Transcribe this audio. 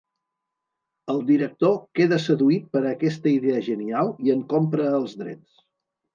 El director queda seduït per aquesta idea genial i en compra els drets.